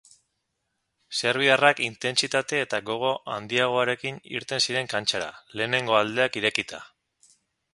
Serbiarrak intentsitate eta gogo handiagoekin irten ziren kantxara, lehenengo aldeak irekita.